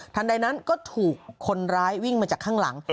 ใดนั้นก็ถูกคนร้ายวิ่งมาจากข้างหลัง